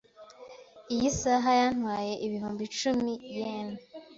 Iyi saha yantwaye ibihumbi icumi yen .